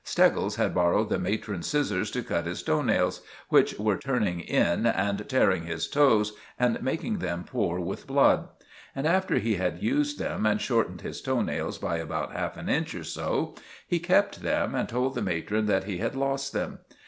Steggles had borrowed the matron's scissors to cut his toe nails, which were turning in and tearing his toes and making them pour with blood. And after he had used them and shortened his toe nails by about half an inch or so, he kept them and told the matron that he had lost them.